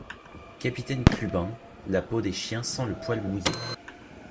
Capitaine Clubin, la peau des chiens sent le poil mouillé.